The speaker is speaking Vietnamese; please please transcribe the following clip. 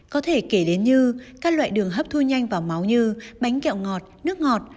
có thể kể đến như các loại đường hấp thu nhanh vào máu như bánh kẹo ngọt nước ngọt